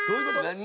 何？